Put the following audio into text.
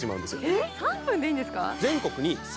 え、３分でいいんですか？